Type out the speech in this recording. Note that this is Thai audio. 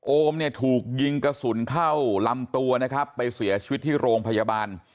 โอมเนี่ยถูกยิงกระสุนเข้าลำตัวนะครับไปเสียชีวิตที่โรงพยาบาล